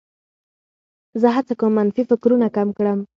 زه هڅه کوم منفي فکرونه کم کړم.